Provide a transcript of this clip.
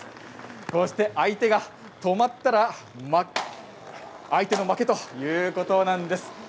こうして相手が止まったら相手の負けということなんです。